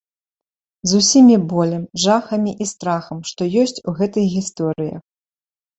З усімі болем, жахамі і страхам, што ёсць у гэтых гісторыях.